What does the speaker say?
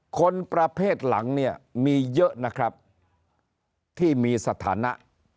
คนประเภทหลังเนี่ยมีเยอะนะครับที่มีสถานะ